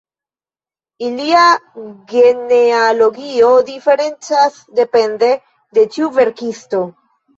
Ilia genealogio diferencas depende de ĉiu verkisto.